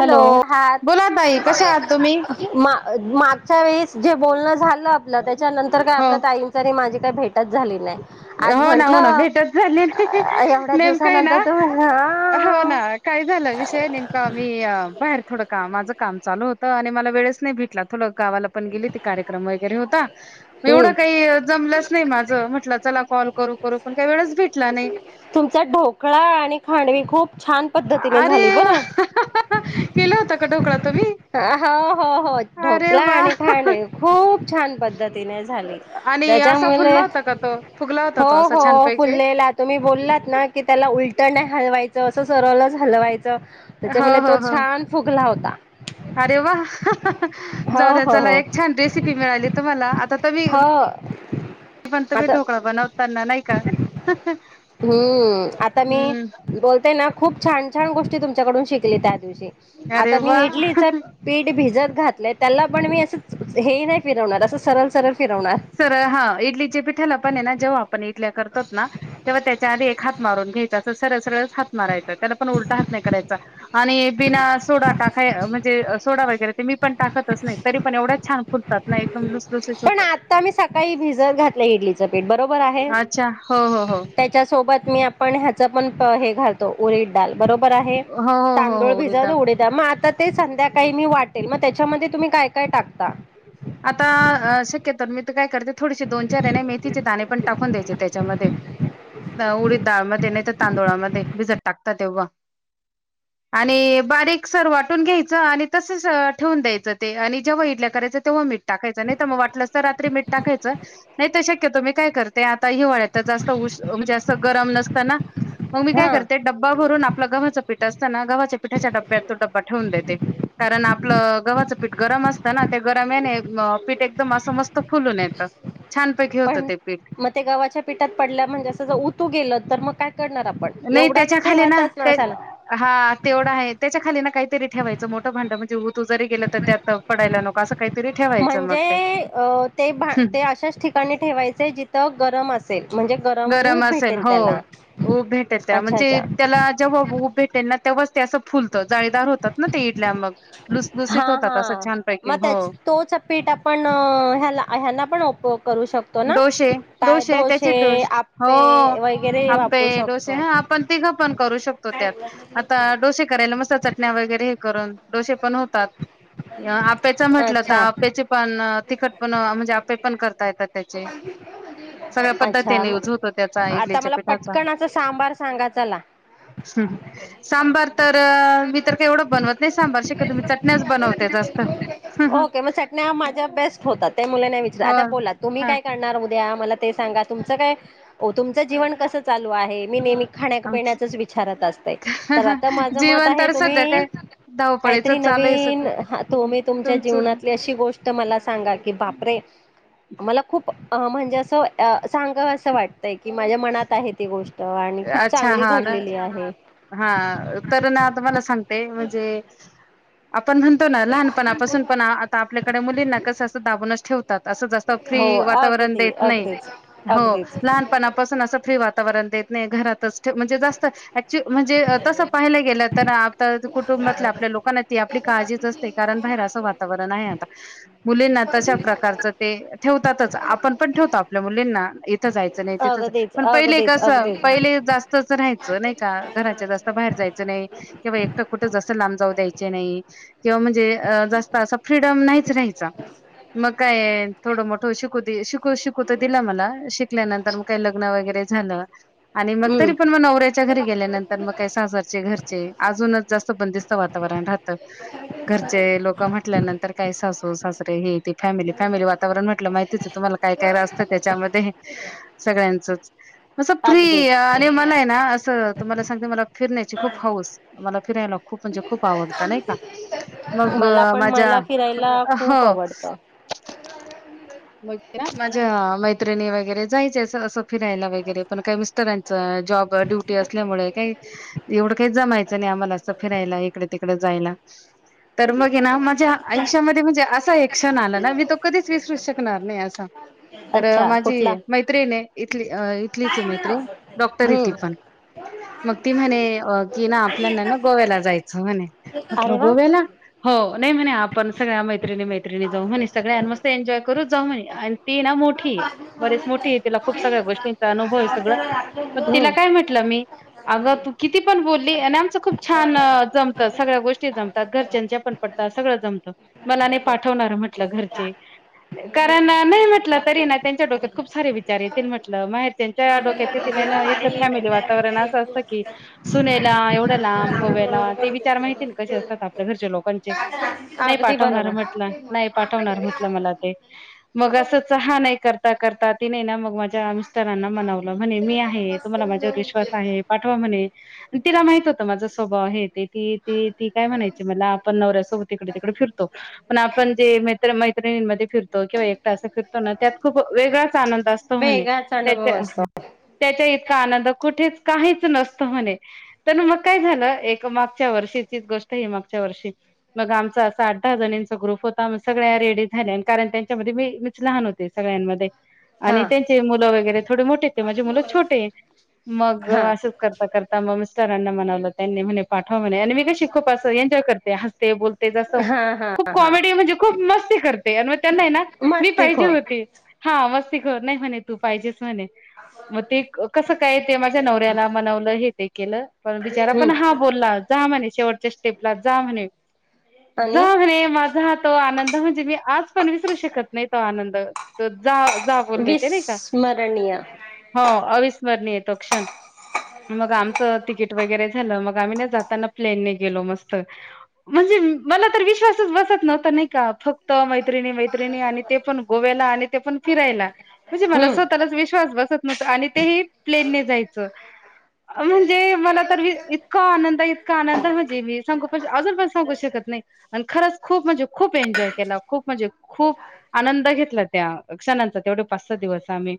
Hello, हां बोला ताई कशा आहात तुम्ही म मा मागच्या वेळीस जे बोलण झाल ल आपलं त्याच्यानंतर काय हो आपलं ताईंचं आणि माझं काय भेटच झाली नाही. आज हो ना हो ना म्हंटलं भेटच झाली नाही. एवढ्या नेमकय ना, दिवसानंतर तुम्ही हा हो ना. काय झालं विषय नेमका मी अं बाहेर थोडं काम माझं काम चालू होतं आणि मला वेळेच नाही भेटला तुला गावाला पण गेली होती कार्यक्रम वगैरे हो हम्म एवढं काही जमलंच नाही माझं. म्हटलं चला करू करू पण काही वेळच भेटला नाही तुमचा ढोकळा आणि खांडवी खूप छान पद्धतीने अरे झाली बरं [unintelligible] केलं होत का डोक ओहो हो हो अरे ढोकला वा आणि खांडवी खूप छान पद्धतीने झाली आणि असा त्याच्यामुळे फुलला होता का तो फुगला होता हो तो असा हो छानपैकी फुललेला तुम्ही बोललात ना की त्याला उलट नाही हलवाय तो असंच सरळच हलवायचं हो त्याच्यामुळे तो हो हो छान फुगला होता. अरे वा [unintelligible] हो जाऊ दे हो चला हो एक छान रेसिपी मिळाली तुम्हाला आता तुम्ही हो पण तुम्ही आता ढोकळा बनवताना नाही का? हम्म आता मी हम्म बोलते ना खूप छान छान गोष्टी तुमच्या तुमच्याकडून शिकले त्या दिवशी अरे आता वा! मी इडलीच पिठं भिजत घातलं त्याला पण मी असं हे नाही फिरवणार असं सरळ सरळ घात सरळ हा इडलीच्या पिठाल पाण्यानं जेव्हा आपण इडल्या कर ना तेव्हा त्याच्या आधी एक हात मारून घ्यायचा अस सरळ सरळच हात मारयचा त्याला पण उलटा हात नाही करायचा आणि बिना सोडा टाकायच म्हणजे सोडा वगैरे ते मी पण टाकतच नाही तरी पण एवढंच छान फुल त्यात ना एक पण लुसलुशीत होतात. आम्ही सकाळी भिजत घातय इडलीं पीठ ब आहे अच्छा हो हो हो. त्याच्या सोबत मी आपण ह्याच पण हा हे घालतो उळीद डाल बरोबर आहे हो हो हो तांदूळ हो उडीद भिजत डाळ उळीद मग आता ते संध्याकाळी मी वाट मग त्याच्यामध्ये तुम्ही काय काय टाक ता. आता शक्यतोर मी त काय थोडेसे दोन चार आहे मेथीचे दाणे पण टाकून द्यायचे त्याच्यामध्ये उडीत डाळमध्ये नाही तर तांदुळामध्ये भिजत टाकत तेव्हा आणि बारीक सर वाटून घ्यायचं आणि तसेच ठेवून द्यायचं ते आणि जेव्हा इडल्या करायच तेव्हा मीठ टाकायचं नाही तर मग वाटलंस तर रात्री मीठ टाकायचं नाही तर शक्यतो मी काय करते आता हिवाळ्यात जास्त उष म्हणजे असं गरम नसतना मग मी काय हा करते डब्बा भरून आपला गव्हाचं पीठ अस गव्हाच्या पीठाच्या डब्यात तो डब्बा ठेवून देते कारण आपलं गव्हाचं पीठ गरम असताना ते गरम आहे नाही पीठ एकदम असं मस्त फुलून येत. पण म ते गव्हाच्या पीठात पडल्या म्हणजे असं ज तू गेलं तर मग काय करणार आपण नाही एवढा त्याच्या खाली ना ठेवतच नसाला हा तेवढा आहे त्याच्या खाली ना काहीतरी ठेवायचं मोठं भांड म्हणजे ओतु जरी गेलं तर त्यात पडायला नको काल सकाळी. म्हणजे ते ते अशाच ठिकाणी ठेवायचे जिथं. गरम असेल म्हणजे गरम ऊब असेल भेटेल हो त्याला उब भेटल त्याला, अच्छा म्हणजे अच्छा त्याला जेव्हा उब भेटेल ना तेव्हाच. ते असं फुलतं, जाळीदार होतात ना ते इडल्या मग. हा, लुसलुसीत होतात असं हा, छानपैकी मग त्या हो तेच पीट आपण ह्याला ह्यांना पण उपोयग करू शकतो ना. डोसे काय डोसे त्याचे डोसे हो आपे वगैरे वापरू आप्पे, शकतो डोसे हा आपण तिघं पण करू शकतो, त्यात आता डोसे करायला मस्त चटण्या वगैरे हे करून डोसे पण होतात, आप्प्याचं म्हटल तरी अच्छा आप्याचे पण तिखट पण म्हणले, आप्पे पण करता येतात त्याचे. सगळ्या अच्छा पद्धतीने यूज होतो, त्याचा मग आता इडलीच्या मला पिठाचा पटकन असा सांबार सांगा चला सांबार तर मी तर का एवढं बनवत नाही, सांबार श [unintelligible] ओके! मग चटण्या माझ्या बेस्ट होतात, त्या मुलांना विचारा हो आता बोला, तुम्ही हा काय करणार उद्या? मला ते सांगा तुमच काय तुमचं जीवन कसं चालू आहे, मी ने खाण्या- आमचं पिण्याचचं विचारतं असतायं तर आता माझं मत जीवन आहे तर सध्या तुम्ही? काय धावपळीच काहीतरी चालू आहे नवीन सध्या. तुम्ही तुमच्या, तुमचं जीवनातली अशी गोष्ट मला सांगा की बापरे! मला खूप अ म्हणजे, असं सांगावस वाटतंय की माझ्या मनात आहे ती गोष्ट आणि खूप अच्छा! चांगली हा न घडलेली आहे हा तर ना आ तम्हाला सांगते म्हणजे आपण म्हणतो, ना लहानपणा पासून पण आता आपल्याकडे मुलींना कसं असं दाबूनच ठेवतात. असं जास्त हो फ्री वातावरण अगदी देत नाही, अगदीच हो अगदीच लहानपणा पासून असं फ्री वातावरण देत नाही घरातच ठेव म्हणजे जास्त ची म्हणजे तसं पाहायला गेलं, तर आता कुटुंबातल्या आपल्या लोकांना ती आपली काळजीच असते, कारण बाहेर असं वातावरण आहे आता मुलींना तशा प्रकारचं ते ठेवतातच आपण पण ठेवतो. आपल्या मुलींना इथ जायचं नाही तिथं अगदीच पण पहिले अगदीच कस अगदीच पहिले जास्तच राहाय अस नाही का, घराच्या जास्त बाहेर जायचं नाही. किंवा एकट कुठ आसं लांब जाऊ द्यायचे नाही, किंवा म्हणजे जास्त अस, फ्रीडम नाहीच राहायच, मग काय थोडं मोठं शिकूदे शिकू तर दिल मला, शिकल्यानंतर मग काय लग्न वगैरे झालं. आणि मग तरी हम्म पण मग नवऱ्याच्या घरी गेल्यानंतर मग काही सासरचे घरचे अजूनच जास्त बंदिस्त वातावरण राहतं, घरचे लोक म्हटल्यानंतर काय सासू-सासरे हे ते फॅमिली-फॅमिली वातावरण म्हटलं माहितीच आहे, तुम्हाला काय काय असतं त्याच्यामध्ये सगळ्यांचच मग अस फ्री! अगदीच आणि मला आहे ना असं, तुम्हाला सांगते. मला फिरण्याची खूप हौऊस मला! फिरायला. खूप म्हणजे खूप आवडत नाही का, मग मला पण माझ्या, मला फिरायला खूप हो! आवडतं मग माझ्या मैत्रिणी वगैरे जायचे असं-असं. फिरायला वगेरे, पण काय मिस्टरांनी! यांचा जॉब ड्युटी असल्यामुळे, काही एवढं काहीच जमायचं नाही, आम्हाला असं फिरायला इकडे-तिकडे जायला. तर मग हे ना, माझ्या आयुष्यामध्ये म्हणजे असा एक क्षण आला ना, मी तो कधीच विसरू शकलो नाही होणार नाही असा तर अच्छा कुठला माझी मैत्रिण आहे इथली इथलीच आहे मैत्रीण डॉक्टर आहे ती हम्म पण मग ती म्हणे की ना आपल्याना ना गोव्याला जायच म्हणे मग अरे वा गोव्याला हो नाही म्हणे आपण सगळ्या मैत्रि मैत्रिणी जाऊ म्हणे सगळया मस्त एन्जॉय करू खरच जाऊ म्हणे आणि ती मोठी आहे बरीच मोठी तिला खूप सगळ्या गोष्टी अनुभव सगळं पण तिला हम्म काय म्हटलं मी अगं तू किती पण बोलली आणि आमचं खूप छान जमत सगळ्या गोष्टी जमतात घरच्यांच्या पण पटतात सगळं जमत मला नी पाठवणार म्हटलं घरचे! कारण नाही म्हटलं तरी ना त्यांच्या डोक्यात खूप सारे विचार येतील म्हटलं माहि तिच्या डोक्यात ते ना इथलं फॅमिली वातावरण असं असतं की सुनेला एवढ्या लांब गोव्याला ते विचार माहिती ना कसे असतात आपल्या घरच्या लोकांचे नाही अगदी पाठवणार बरोबर म्हटलं नाही पाठवणार म्हटलं मला ते! मग असं हा नाही करता कर करतात ती नाही मग माझी तुज्या मिस्टरांना म्हणवला म्हणे मी आहे तुम्हाला माझ्यावर विश्वासवा आहे पाठवा म्हणे तिला माहित होत माझा स्वभाव आहे ते ती, ती, ती काय म्हणायची मला आपण नवऱ्यासोबत इकडं तिकडे फिरतो पण आपण जे मित्र मैत्रिणींमध्ये फिर केंव्हा एकटा अस फिरतो ना त्यात खूप वेगळाच आनंद असतो म्हणे वेगळाच अनुभव त्या असतो त्याच्या इतका आनंद क कुठे काहीच नसत म्हणे तर मग काय झालं एक मागच्या वर्षीचीच गोष्ट ह मागच्या वर्षी मग आमचा असा आठ दहा जणचा ग्रुप होता सगळ्या रेडी झाल्या कारण त्यां त्याच्या मी मीच लहान होते सगळ्यांमध्ये! हा आणि त्यांचे मुलं वगैरे थोडे मोठे ते म्हणजे मुलं छोटे मग हा असंच करता करता मग! सरांना मनवलं त्यांनी म्हणे पाठवा म म्ह आणि मी कशी खूप अस एन्जॉय करते हसते बोलते जसं हा खूप हा हा कॉमेडी म्हणजे खूप मस्ती करते आणि म त्यांना आहे. मी मस्ती पाहिजे खोर होते हा वस् नाही म्हणे तू पाहिजे म्हणे मग ते कस काय ते माझ्या नवऱ्याला मनवलं हे ते केलं पण बिचारा पण हा हम्म बोलला जा म्हणे शेवट स्टेपला जा म्हणे आणि जाऊ रे माझा तो आनंद म्हणजे मी आज पण विसरू शकत नाही त आनंद तर जा ब नाही का विस्मरणीय हो येतो कण मग आमच तिकीट वगैरे झालं मग आम्ही ना जाताना प्लेन न गेलो मस्त म्हणजे मला तर विश्वासच बसत नव्हता नाही का फक्त त मैत्रिणी मैत्रिणी आणि ते पण गोव्याला आणि ते पण फिरायला म्हणजे मला हम्म स्वतःलाच विश्वास बसत नव्हत आणि तेही प्लेन ने जायचं म्हणजे मला तर इतका आनंद इतका आनंद म्हणजे मी सांगूण अजून पण सांगू शकत नाही, आणि खरंच खूप म्हणजे खूप एन्जॉय केला खूप म्हणजे खूप आनंद घेतला त्या क्षणांचा, तेवढे पाच-सहा दिवस आम्ही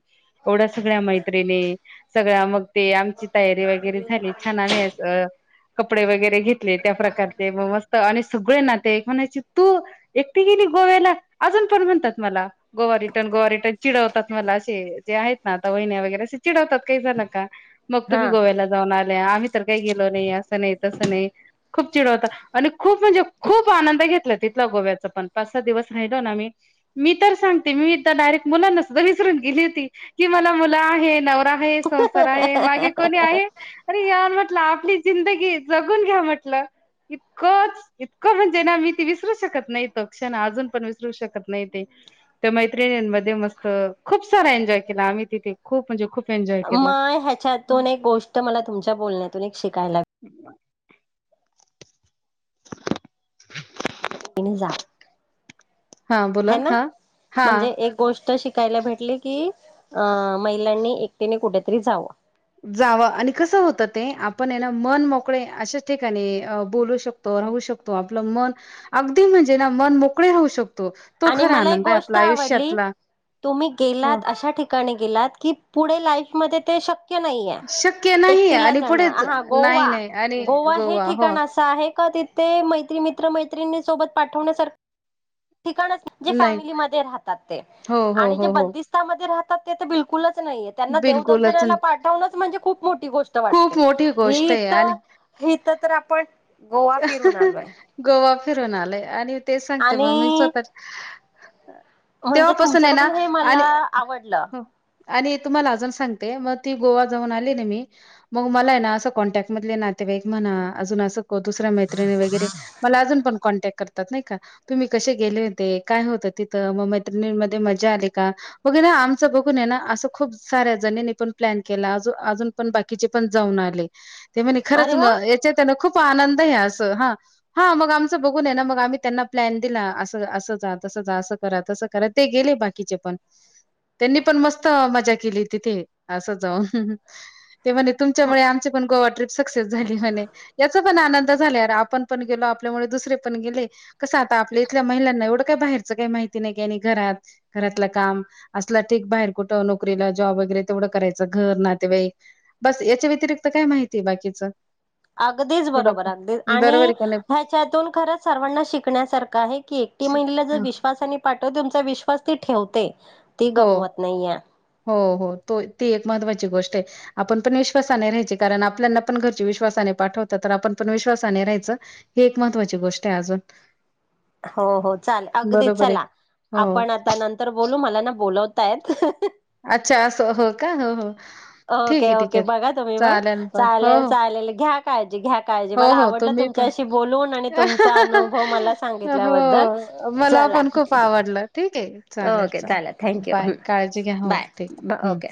एवढ्या सगळ्या मैत्रिणी. सगळ्या मग ते आमची. तयारी वगैरे झाली, छान आम्ही कपडे वगैरे घेतले, त्या प्रकारचे मग मस्त आणि सगळे नातेवाईक म्हणायचे तू एकटी गेली गोव्याला अजून. पर [unintelligible] मला गोवा रिटर्न, गोवा रिटर्न, चिडवतात, मला असे जे आहेत ना आता वहिन्या वगैरे असे चिडवतात, काही झालं का. मग तुम्ही हा गोव्याला जाणार. आम्ही तर काही गेलो नाही, असं नाही तसं नाही खूप चिड होत आणि खूप म्हणजे खूप आनंद घेतला तिथला गोव्याचा पण पाच सात दिवस राहिलो ना आम्ही मी तर सांगते, मी एकदा डायरेक्ट मुलांना सुद्धा विसरून गेली होती, की मला मुलं आहे नवरा आहे संसार आहे मागे कोणी आहे. अरे यार म्हटलं? आपली जिंदगी जगून घ्या म्हटलं इतकंच इतकं म्हणजे, ना मी ती विसरू शकत नाहीत क्षण अजून पण विसरू शकत नाही ते त्या मैत्रणींमध्ये मस्त खूप सारा एन्जॉय केला आम्ही, तिथे खूप म्हणजे खूप एन्जॉय केला. नाही ह्याच्यातून एक गोष्ट मला तुमच्या बोलण्यातून एक शिकायला [unintelligible] जा हां, बोला. ह ना हां, म्हणजे हां. एक गोष्ट शिक कायला भेटले, की अ महिलांनी एकटीने कुठेतरी जावं जाव आणि कसं होतं, ते आपण ना मन मोकळे अशाच ठिकाणी बोलू शकतो, राहू शकतो आपलं मन अगदी म्हणजे ना मन मोकळे राहू शक आणि मला एक गोष्ट आवडली तुम्ही हो. गेलात, अशा ठिकाणी गेलात की पुढे लाईफ मध्ये ते शक् शक्य नाहिये शक्य नाही एकटीला आणि जाणं पुढेच हा नाही, नाही आणि गोवा- गोवा हे हो. ठिकाण असं आहे, का तिथे मैत्री- मित्र मैत्रिणी सोबत पाठवण्या सारखं ठिकाण जे नाही. फॅमिलीमध्ये राहतात, ते हो, हो, आणि जे हो, हो. बंदिस्तामध्ये राहतात त ते तर बिकुलचं तसं नाहीये, त्यांना बिलकुलच देवदर्शनाला नाही. पाठवनच म्हणजे खूप मोठी गोष्ट वाटते खूप मोठी गोष्ट ही आहे आणि तर आपल्या. पण. गोवा. फिरुन आलोय आणि. तेच सांगते मग मी आणि स्वतः च्या म्हणजे तुमच्याकडून हे मला आणि आवडलं. हो आणि तुम्हाला अजून सांगते, मग ती गोवा जाऊन आली ना, मी मग मला आहे ना, असं कॉन्टॅक्ट मधले नातेवाईक म्हणा, अजून असं दुसऱ्या मैत्रीणि वैगेरे, मला अजुन पण कॉन्टॅक्ट. करतात नाही का, तुम्ही कसे गेले होते काय होत तिथं, मग मैत्रिणी मध्ये मजा आली का, मग कणी आमच बघूनय ना असं खूप साऱ्या जणीनी पण प्लॅन केला, अजून पण बाकीचे पण जाऊन आले. ते म्हणे खरंच अरे वा याच्यात हाय ना खूप. खूप आनंद आहे असं हा हा मग आमचं बघून आहे ना मग आम्ही त्यांना प्लॅन दिला अस असं जा तस जा असं करा तसं करा ते गेले बाकीचे पण त्यांनी पण मस्त मजा केली तिथे असं जाऊन. ते म्हणे तुमच्यामुळे आमची पण गोवा ट्रीप सक्सेस झाली म्हणे. पण आनंद झालेला. आपण पण गेलो आपल्यामुळे दुसरे पण गेले कसं आता आपल्या इथल्या महिलांना एवढं काय बाहेरच काही माहिती नाही क घरात घरातलं काम असलं ठीक बाहेर कुठं नोकरीला जॉब वगैरे तेवढं करायचं घर नातेवाईक बस याच्या व्यतिरिक्त काय माहिती बाकीचं. अगदीच थोडं बरोबर अगदीच आणि बरोबर आहे का नाही? ह्याच्यातून खरंच सर्वांना शिकण्यासारखं आहे की एकटी महिला जर विश्वास आणि त तुमचा विश्वास ती ठेवते. ती हो गमवत नाहीये हो हो तो ते एक महत्वा आपण पण विश्वासाने राहायची कारण आपल्याना पण घरचे विश्वासाने पाठवतात तर आपण पण विश्वासाने राहायचं ही एक महत्त्वाची गोष्ट आहे अजून हो हो चाल अगदी बरोबर आहे. चला हो. आपण आता नंतर बोलू मला ना. बोलवतायत. अच्छा अस हो का हो हो. ठीक ओके आहे, ठीक ओके आहे. बघा तुम्ही पण चालेल पण हो, चालेल हो. चालेल घ्या. काळजी घ्या काळजी हो, मला हो. आवडल तुम्ही पण. तुमच्याशी बोलून आणि तुमचा अनुभव मला सांगितल्याबद्दल हो. मला चला पण खूप आवडलं. ठीक आहे. चालेल, ओके चालेल. चला थँक्यू बाय. काळजी घ्या. हो, बाय ठीक आहे. हं. ओके.